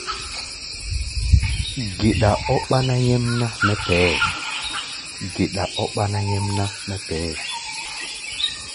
Geɗa ɔ́ ɓáná nyɛmná mɛ́ pɛʼɛ́ɛ.